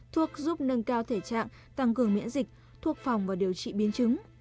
thuốc giúp nâng cao thể trạng tăng cường miễn dịch thuốc phòng và điều trị biến chứng